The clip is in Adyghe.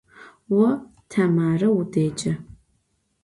Vo Temare vudêce.